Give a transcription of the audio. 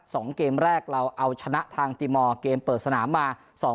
สองเกมแรกเราเอาชนะทางติมอร์เกมเปิดสนามมาสอง